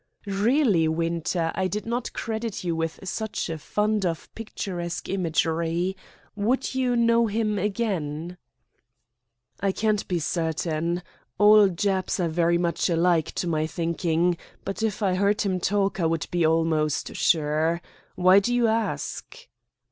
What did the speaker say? "Really, Winter, I did not credit you with such a fund of picturesque imagery. Would you know him again?" "I can't be certain. All Japs are very much alike, to my thinking, but if I heard him talk I would be almost sure. Why do you ask?"